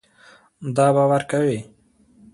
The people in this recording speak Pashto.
دا به ورکوې.